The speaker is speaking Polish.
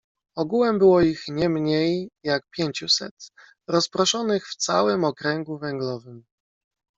"Ogółem było ich nie mniej, jak pięciuset, rozproszonych w całym okręgu węglowym."